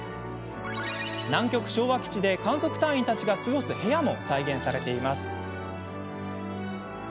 南極、昭和基地で観測隊員たちが過ごす部屋も再現されています。